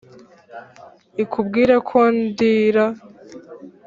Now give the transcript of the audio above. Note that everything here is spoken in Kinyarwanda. ikubwire ko ndira